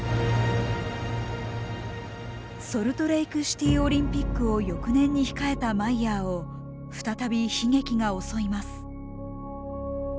ソルトレークシティー・オリンピックを翌年に控えたマイヤーを再び悲劇が襲います。